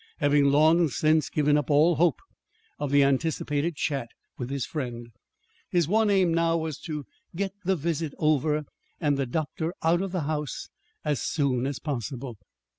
Having long since given up all hope of the anticipated chat with his friend, his one aim now was to get the visit over, and the doctor out of the house as soon as possible.